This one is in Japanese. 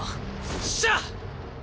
よっしゃ！